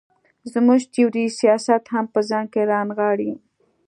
زموږ تیوري سیاست هم په ځان کې را نغاړي.